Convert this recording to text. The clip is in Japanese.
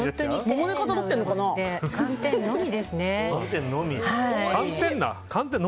桃と寒天のみですね。